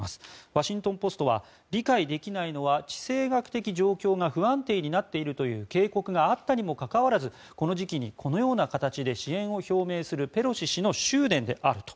ワシントン・ポストは理解できないのは地政学的状況が不安定になっているという警告があったにもかかわらずこの時期にこのような形で支援を表明するペロシ氏の執念であると。